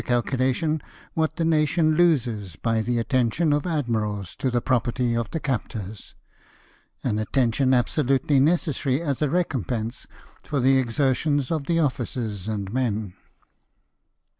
calculation what the nation loses by the attention of admirals to the property of the captors — an attention absolutely necessary as a recompense for the exer tions of the officers and men.